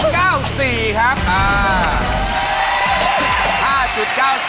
๕๙๔กิโลกรัมครับ